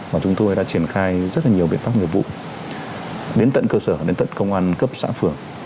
và chúng tôi đã triển khai rất là nhiều biện pháp nghiệp vụ đến tận cơ sở đến tận công an cấp xã phường